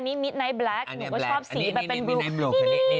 นี่ก็ชอบสีแบบเป็นบลู